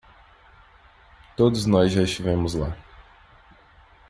Todos nós já estivemos lá.